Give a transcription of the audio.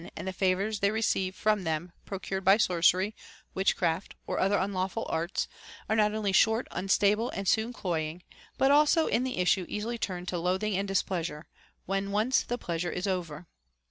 and the favors they receive from them procured by sorcery, witchcraft, or other unlawful arts, are not only short, un stable, and soon cloying, but also in the issue easily turned to loathing and displeasure, when once the pleasure is over.